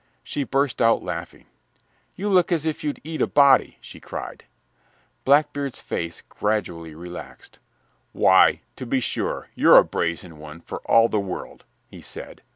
She burst out laughing. "You look as if you'd eat a body," she cried. Blackbeard's face gradually relaxed. "Why, to be sure, you're a brazen one, for all the world," he said.